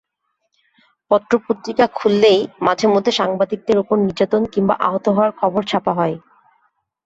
পত্রপত্রিকা খুললেই মাঝেমধ্যে সাংবাদিকদের ওপর নির্যাতন কিংবা আহত হওয়ার খবর ছাপা হয়।